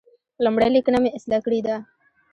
لومړۍ لیکنه مې اصلاح کړې ده.